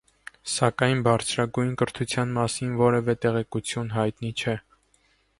Սակայն բարձրագոյն կրթութեան մասին որեւէ տեղեկութիւն յայտնի չէ։